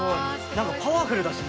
何かパワフルだしね。